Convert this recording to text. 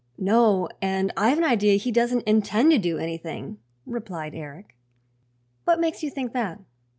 "No; and I've an idea he doesn't intend to do anything," replied Eric. "What makes you think that?"